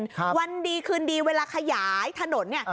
พอหยายเบนดีคืนดีเวลาขยายถนนเนี่ย